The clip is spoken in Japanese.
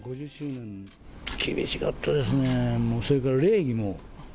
厳しかったですね、それから礼儀も。